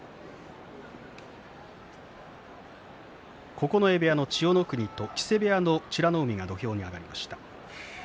九重部屋の千代の国と木瀬部屋の美ノ海が土俵に上がりました。